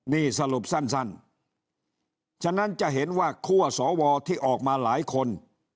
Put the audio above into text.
นี่สรุปสั้นฉะนั้นจะเห็นว่าคั่วสวที่ออกมาหลายคน